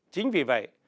chính vì vậy